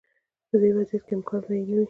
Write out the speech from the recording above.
په دې وضعیت کې امکان به یې نه وي.